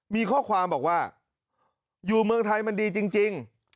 มีข้อความบอกว่าอยู่เมืองไทยมันดีจริง